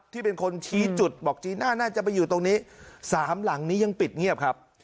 ที่เป็นคนชี้จุดบอกจีน่าน่าจะไปอยู่ตรงนี้สามหลังนี้ยังปิดเงียบครับ